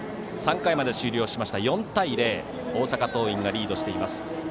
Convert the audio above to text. ３回まで終了、４対０大阪桐蔭がリードしています。